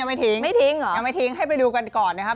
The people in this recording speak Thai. ไม่ทิ้งไม่ทิ้งเหรอยังไม่ทิ้งให้ไปดูกันก่อนนะครับ